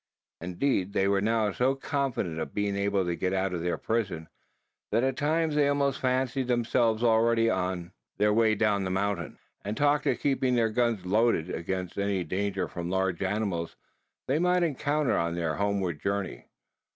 Indeed, they were now so confident of being able to get out of their prison, that at times they almost fancied themselves already on their way down the mountains; and talked of keeping their guns loaded, against any danger from large animals they might encounter on their homeward journey.